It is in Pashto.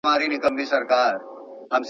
هغه وویل د هغې عزم قانع کړ چې مرسته وکړي.